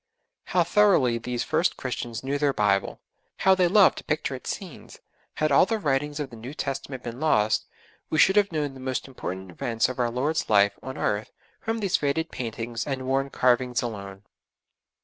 How thoroughly these first Christians knew their Bible! How they loved to picture its scenes. Had all the writings of the New Testament been lost, we should have known the most important events of our Lord's life on earth from these faded paintings and worn carvings alone.